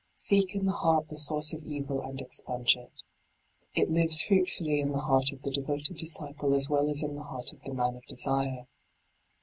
Seek in the heart the source of evil and expunge it. It lives fruitfully in the heart of the devoted disciple as well as in the heart of the man of desire.